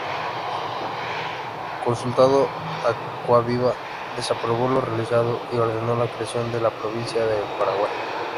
Consultado Acquaviva, desaprobó lo realizado y ordenó la creación de la provincia del Paraguay.